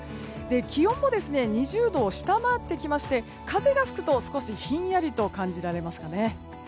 気温も２０度を下回ってきまして風が吹くと少しひんやりと感じられますかね。